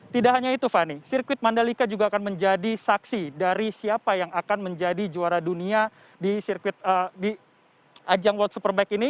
tidak hanya itu fani sirkuit mandalika juga akan menjadi saksi dari siapa yang akan menjadi juara dunia di ajang world superbike ini